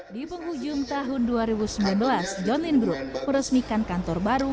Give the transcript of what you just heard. di penghujung tahun dua ribu sembilan belas john lin group meresmikan kantor baru